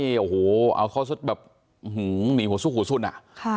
เอาข้อสุดแบบหนีหัวซุกหูสุดอ่ะ